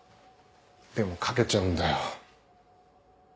でもかけちゃうんだよ。